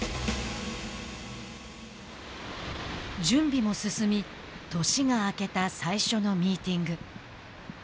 準備も進み年が明けた最初のミーティング。